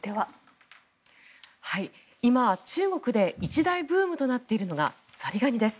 今、中国で一大ブームとなっているのがザリガニです。